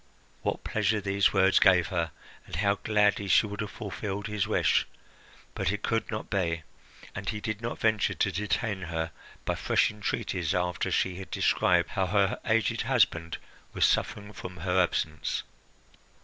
What pleasure these words gave her, and how gladly she would have fulfilled his wish! But it could not be, and he did not venture to detain her by fresh entreaties after she had described how her aged husband was suffering from her absence.